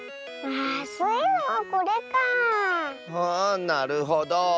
あなるほど。